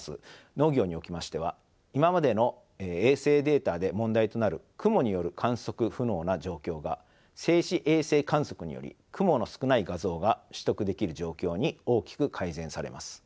農業におきましては今までの衛星データで問題となる雲による観測不能な状況が静止衛星観測により雲の少ない画像が取得できる状況に大きく改善されます。